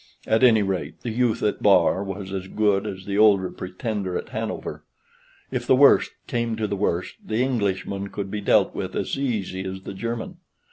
At any rate the youth at Bar was as good as the older Pretender at Hanover; if the worst came to the worst, the Englishman could be dealt with as easy as the German.